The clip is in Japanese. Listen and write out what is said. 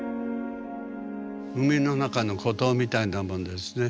海の中の孤島みたいなものですね。